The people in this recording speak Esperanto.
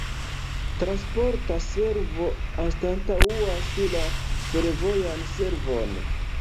Transporta servo anstataŭas la fervojan servon.